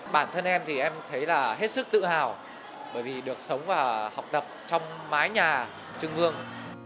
bản thân em thì em thấy là hết sức tự hào bởi vì được sống và học tập trong mái nhà trưng vương